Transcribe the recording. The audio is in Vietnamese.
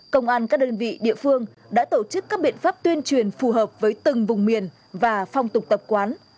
công an các đơn vị địa phương đã tổ chức các biện pháp tuyên truyền phù hợp với từng vùng miền và phong tục tập quán